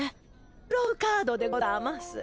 プロフカードでござぁます。